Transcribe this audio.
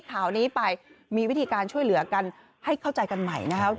ข่าวนี้ไปมีวิธีการช่วยเหลือกันให้เข้าใจกันใหม่นะครับ